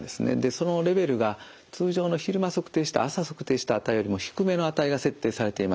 そのレベルが通常の昼間測定した朝測定した値よりも低めの値が設定されています。